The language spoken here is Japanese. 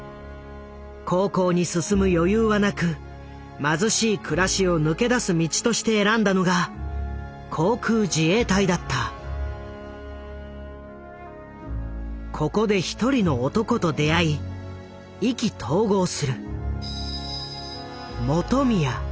高校に進む余裕はなく貧しい暮らしを抜け出す道として選んだのがここで一人の男と出会い意気投合する。